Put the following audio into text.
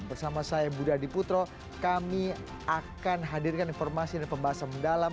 bersama saya budi adiputro kami akan hadirkan informasi dan pembahasan mendalam